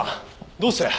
どうして。